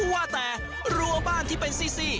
ว่าแต่รัวบ้านที่เป็นซี่